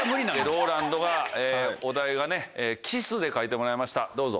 ＲＯＬＡＮＤがお題が「キス」で描いてもらいましたどうぞ。